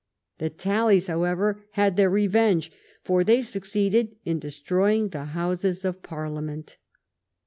The tallies, how ever, had their revenge, for they succeeded in de stroying the Houses of Parliament.